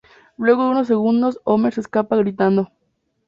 Luego de unos segundos, Homer se escapa gritando.